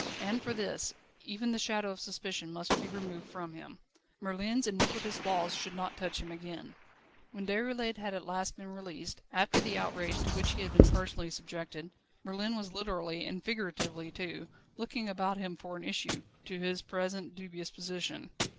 And for this, even the shadow of suspicion must be removed from him. Merlin's iniquitous law should not touch him again. When Déroulède at last had been released, after the outrage to which he had been personally subjected, Merlin was literally, and figuratively too, looking about him for an issue to his present dubious position.